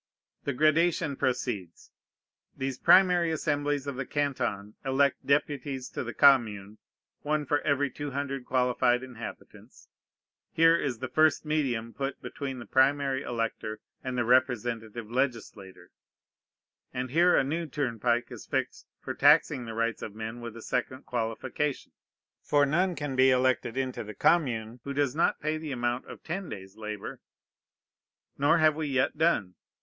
The gradation proceeds. These primary assemblies of the Canton elect deputies to the Commune, one for every two hundred qualified inhabitants. Here is the first medium put between the primary elector and the representative legislator; and here a new turnpike is fixed for taxing the rights of men with a second qualification: for none can be elected into the Commune who does not pay the amount of ten days' labor. Nor have we yet done.